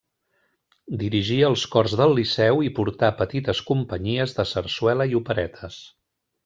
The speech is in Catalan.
Dirigí els cors del Liceu i portà petites companyies de sarsuela i operetes.